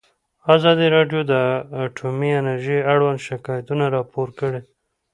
ازادي راډیو د اټومي انرژي اړوند شکایتونه راپور کړي.